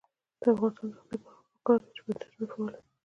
د افغانستان د اقتصادي پرمختګ لپاره پکار ده چې بندرونه فعال وي.